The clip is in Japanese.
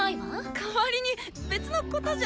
代わりに別のことじゃ。